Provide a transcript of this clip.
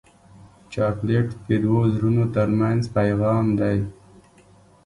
چاکلېټ د دوو زړونو ترمنځ پیغام دی.